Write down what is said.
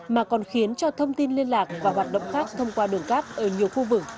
mà còn khiến cho thông tin liên lạc và hoạt động khác thông qua đường cát ở nhiều khu vực